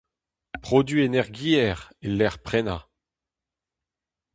Produiñ energiezh e-lec'h prenañ.